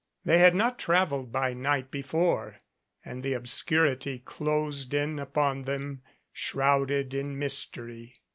They had not traveled by night before and the obscurity closed in upon them shrouded in mystery.